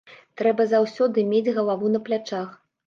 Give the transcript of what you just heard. Трэба заўсёды мець галаву на плячах.